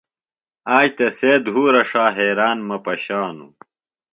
آج تسے دُھورہ ݜا حیران مہ پشانوۡ۔